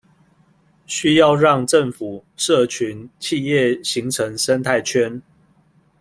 需要讓政府、社群、企業形成生態圈